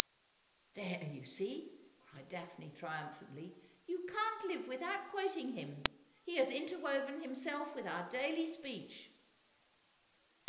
'' There, you see,' cried Daphne triumphantly, ' you can't live without quoting him. He has interwoven himself with our daily speech.'